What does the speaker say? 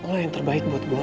lo yang terbaik buat gue lan